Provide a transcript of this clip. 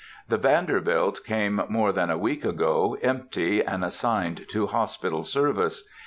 The Vanderbilt came more than a week ago, empty, and assigned to hospital service.